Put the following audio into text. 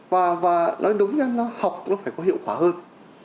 và nói đúng ra nó học nó phải có hiệu quả hơn